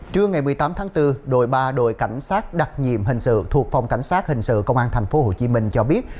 trưa ngày một mươi tám tháng bốn đội ba đội cảnh sát đặc nhiệm hình sự thuộc phòng cảnh sát hình sự công an tp hcm cho biết